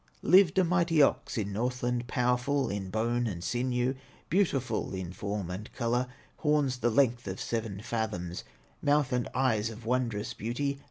Lived a mighty ox in Northland, Powerful in bone and sinew, Beautiful in form and color, Horns the length of seven fathoms, Mouth and eyes of wondrous beauty.